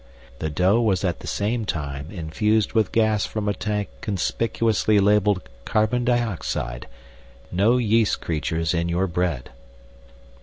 The dough was at the same time infused with gas from a tank conspicuously labeled "Carbon Dioxide" ("No Yeast Creatures in Your Bread!").